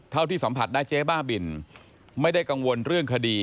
ที่สัมผัสได้เจ๊บ้าบินไม่ได้กังวลเรื่องคดี